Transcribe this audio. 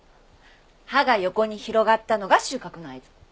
葉が横に広がったのが収穫の合図。